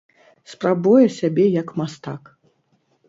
Спрабуе сябе як мастак.